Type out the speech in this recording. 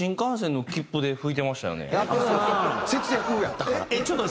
節約やったから。